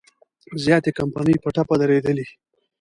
زیاتې کمپنۍ په ټپه درېدلي.